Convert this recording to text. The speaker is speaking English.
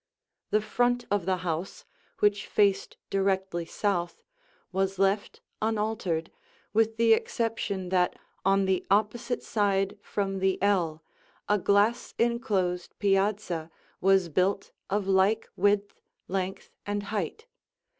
The front of the house, which faced directly south, was left unaltered, with the exception that on the opposite side from the ell a glass enclosed piazza was built of like width, length, and height.